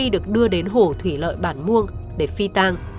được đưa đến hổ thủy lợi bản muông để phi tàng